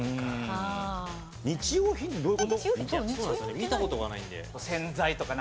見た事がないんで。